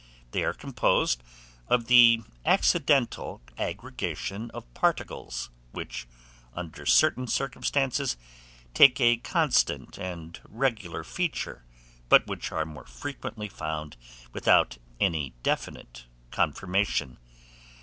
They are composed of the accidental aggregation of particles, which, under certain circumstances, take a constant and regular figure, but which are more frequently found without any definite conformation.